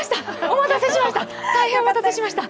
大変お待たせしました。